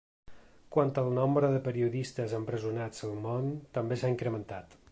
Quant al nombre de periodistes empresonats al món, també s’ha incrementat.